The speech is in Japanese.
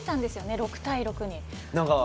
６対６に。